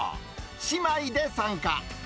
姉妹で参加。